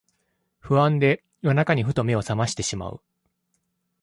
不安で夜中にふと目をさましてしまう